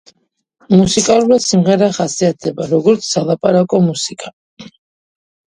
მუსიკალურად სიმღერა ხასიათდება, როგორც სალაპარაკო მუსიკა.